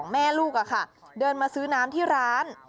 แม่ลูกเดินมาซื้อน้ำที่ร้าน